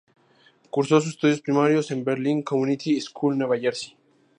Cursó sus estudios primarios en Berlín Community School, Nueva Jersey.